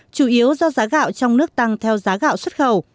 chủ yếu do giá gạo trong nước tăng theo giá gạo xuất khẩu